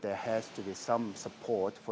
harus ada sokongan untuk pengguna akhir